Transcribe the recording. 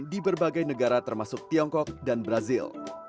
di berbagai negara termasuk tiongkok dan brazil